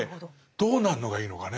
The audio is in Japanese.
どうなるのがいいのかね。